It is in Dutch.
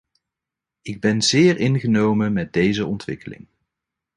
Ik ben zeer ingenomen met deze ontwikkeling.